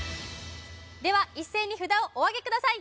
では一斉に札をおあげください